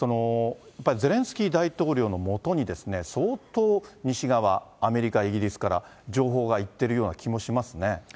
やっぱりゼレンスキー大統領のもとに相当、西側、アメリカ、イギリスから情報が行ってるような気もしますね。